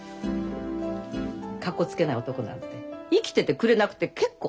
かっこつけない男なんて生きててくれなくて結構。